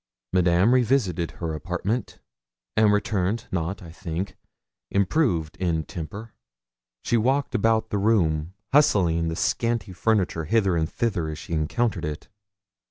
Madame revisited her apartment, and returned, not, I think, improved in temper. She walked about the room, hustling the scanty furniture hither and thither as she encountered it.